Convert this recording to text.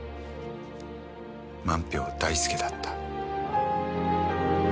「万俵大介だった」